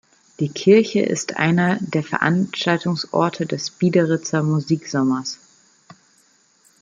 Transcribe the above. Die Kirche ist einer der Veranstaltungsorte des Biederitzer Musiksommers.